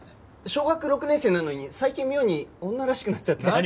小学６年生なのに最近妙に女らしくなっちゃって。